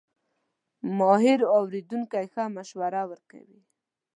ماهر اورېدونکی ښه مشوره ورکوي.